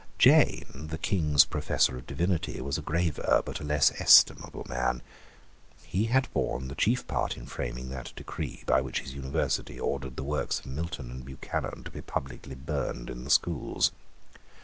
Jane, the King's Professor of Divinity, was a graver but a less estimable man. He had borne the chief part in framing that decree by which his University ordered the works of Milton and Buchanan to be publicly burned in the Schools.